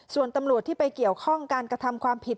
ส่วนตำรวจที่ไปเกี่ยวข้องการกระทำความผิด